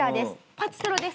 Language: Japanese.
パチスロです。